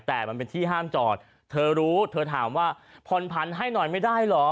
แต่มันเป็นที่ห้ามจอดเธอรู้เธอถามว่าผ่อนผันให้หน่อยไม่ได้เหรอ